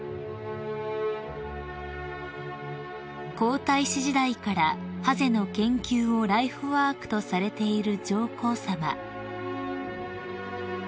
［皇太子時代からハゼの研究をライフワークとされている上皇さま］